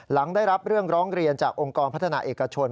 หลังได้รับเรื่องร้องเรียนจากองค์กรพัฒนาเอกชน